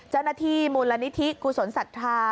เจ้าหน้าที่มูลนิธิกุศลศรัทธา